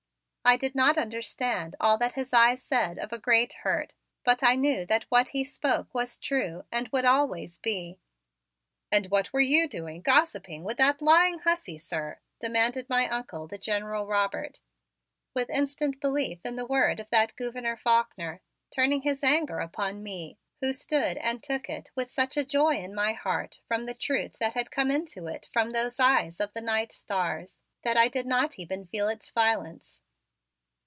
I did not understand all that his eyes said of a great hurt but I knew that what he spoke was true and would always be. "And what were you doing gossiping with that lying hussy, sir?" demanded my Uncle, the General Robert, with instant belief in the word of that Gouverneur Faulkner, turning his anger upon me, who stood and took it with such a joy in my heart from the truth that had come into it from those eyes of the night stars, that I did not even feel its violence.